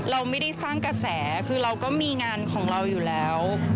เราไม่ได้สร้างกระแสคือเราก็มีงานของเราอยู่แล้ว